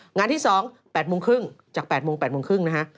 งานที่๒๘โมงครึ่งจาก๘โมง๘โมงครึ่งนะฮะ